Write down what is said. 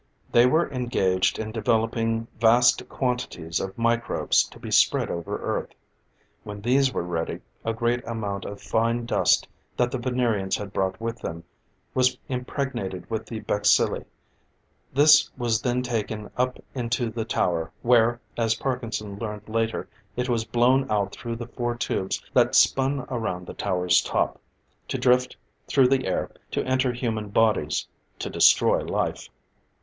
They were engaged in developing vast quantities of microbes to be spread over Earth. When these were ready, a great amount of fine dust that the Venerians had brought with them, was impregnated with the bacilli. This was then taken up into the tower, where, as Parkinson learned later, it was blown out through the four tubes that spun around the tower's top, to drift through the air to enter human bodies to destroy life.